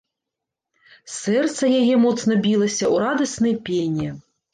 Сэрца яе моцна білася ў радаснай пене.